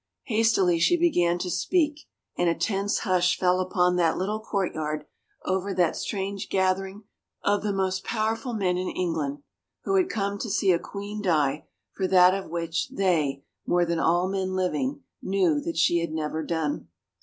Hastily she began to speak and a tense hush fell upon that little courtyard, over that strange gathering of the most power ful men in England who had come to see a queen die for 386 THE END that of which they, more than all men living, knew that she had never done.